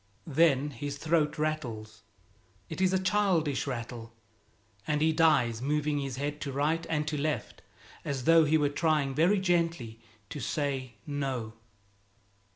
Then his throat rattles. It is a childish rattle, and he dies moving his head to right and to left as though he were trying very gently to say "No."